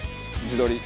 自撮り。